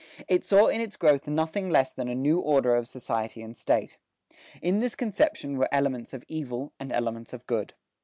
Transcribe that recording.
It saw in its growth nothing less than a new order of society and state. In this conception were elements of evil and elements of good.